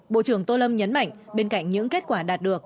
bộ trưởng tô lâm nhấn mạnh bên cạnh những kết quả đạt được